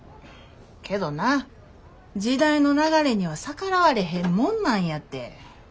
けどな時代の流れには逆らわれへんもんなんやて。